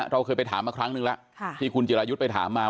เราเคยไปถามมาครั้งนึงแล้วที่คุณจิรายุทธ์ไปถามมา